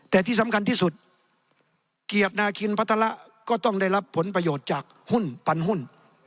แต่ที่สำคัญที่สุดเกียรตินาคินพัฒระก็ต้องได้รับผลประโยชน์จากหุ้นปันหุ้น